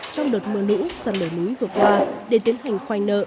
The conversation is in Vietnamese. trong đợt mưa lũ săn nở núi vừa qua để tiến hành khoanh nợ